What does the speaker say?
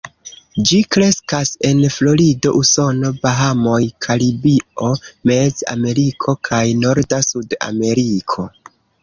Ĝi kreskas en Florido, Usono, Bahamoj, Karibio, Mez-Ameriko kaj norda Sud-Ameriko.